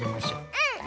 うん！